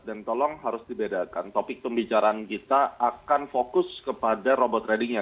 dan tolong harus dibedakan topik pembicaraan kita akan fokus kepada robot tradingnya